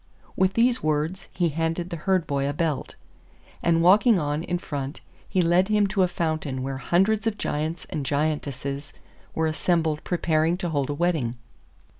With these words he handed the Herd boy a belt, and walking on in front he led him to a fountain where hundreds of Giants and Giantesses were assembled preparing to hold a wedding.